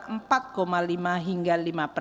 penyusupan pengangguran pada kisaran empat lima hingga lima